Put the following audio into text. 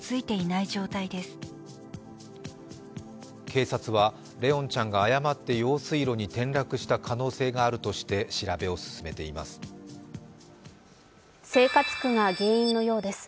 警察は怜音ちゃんが誤って用水路に転落した可能性があるとして調べを進めています。